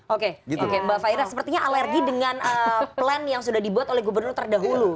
oke oke mbak faira sepertinya alergi dengan plan yang sudah dibuat oleh gubernur terdahulu